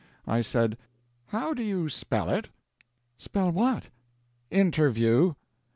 I said: "How do you spell it?" "Spell what?" "Interview."